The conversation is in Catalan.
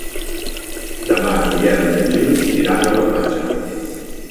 Demà en Biel i en Gil iran a la platja.